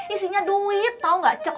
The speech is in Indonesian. isinya duit tahu nggak cek